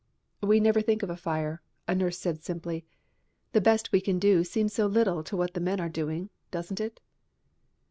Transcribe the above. "We never think of a fire," a nurse said simply. "The best we can do seems so little to what the men are doing, doesn't it?"